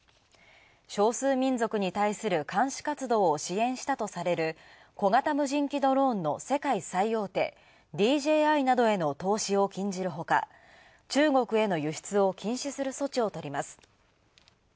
少数民族に対する監視活動を支援したとされる小型無人機ドローンの世界最大手ＤＪＩなどへの投資を禁じるほか、中国への輸出を禁止する措置をとります。